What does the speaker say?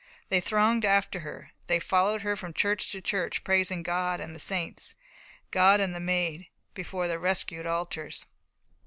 They thronged after her. They followed her from church to church, praising God and the saints, God and the Maid, before their rescued altars.